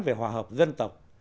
về hòa hợp dân tộc